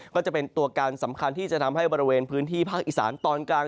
ก็จะเป็นตัวการสำคัญที่จะทำให้บริเวณพื้นที่ภาคอีสานตอนกลาง